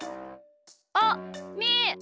あっみー！